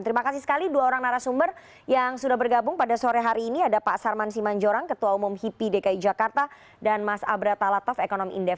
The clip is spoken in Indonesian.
terima kasih sekali dua orang narasumber yang sudah bergabung pada sore hari ini ada pak sarman simanjorang ketua umum hipi dki jakarta dan mas abra talatov ekonom indef